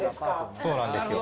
そうなんですよ。